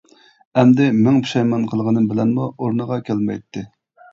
ئەمدى مىڭ پۇشايمان قىلغىنىم بىلەنمۇ ئورنىغا كەلمەيتتى.